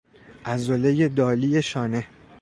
عضله دالی شانه